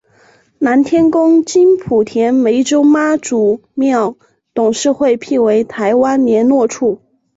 南天宫经莆田湄洲妈祖庙董事会聘为台湾连络处。